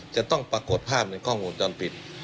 จะต้องปรากฏภาพในกล้องวงจรปิด